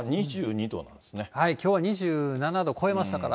きょうは２７度超えましたか